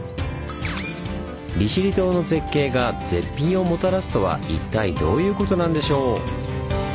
利尻島の絶景が「絶品」をもたらすとは一体どういうことなんでしょう？